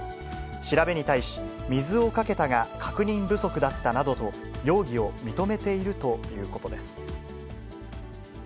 調べに対し、水をかけたが確認不足だったなどと、容疑を認めているということです。